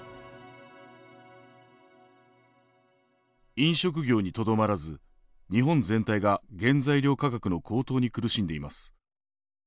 飲食業にとどまらず日本全体が原材料価格の高騰に苦しんでいます。